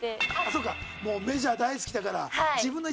そうかもうメジャー大好きだから。